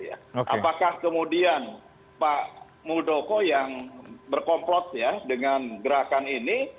apakah kemudian pak muldoko yang berkomplot ya dengan gerakan ini